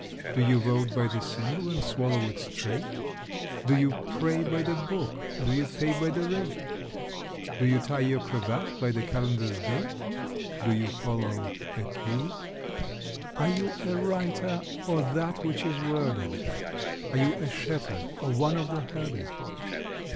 Do you vote by the symbol and swallow it "straight"? Do you pray by the book, do you pay by the rate? Do you tie your cravat by the calendar's date? Do you follow a cue? Are you a writer, or that which is worded? Are you a shepherd, or one of the herded?